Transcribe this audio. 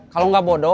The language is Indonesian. kalau gak bodoh